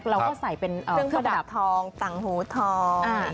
ก็ใส่เป็นคนแบบทองตังหูทอง